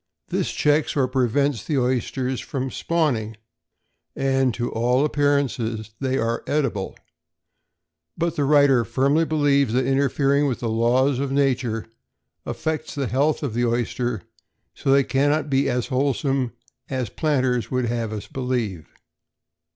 This checks or prevents the oysters from spawning, and to all appearance they are edible; but the writer firmly believes that interfering with the laws of nature affects the health of the oyster, and they cannot be as wholesome as planters would have us believe.